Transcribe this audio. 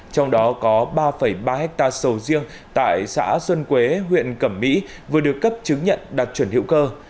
trong đó có ba ba hectare sầu riêng tại xã xuân quế huyện cẩm mỹ vừa được cấp chứng nhận đạt chuẩn hữu cơ